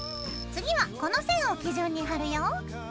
次はこの線を基準に貼るよ。